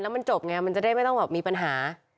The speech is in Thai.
มันจบไงมันจะได้ไม่ต้องแบบมีปัญหา